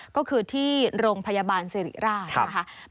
ก็คือที่โรงพยาบาลสิริราชนะคะ